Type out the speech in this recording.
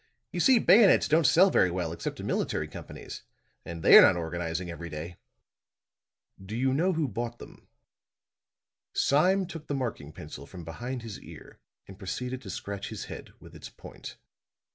You see, bayonets don't sell very well except to military companies; and they are not organizing every day." "Do you know who bought them?" Sime took the marking pencil from behind his ear and proceeded to scratch his head with its point.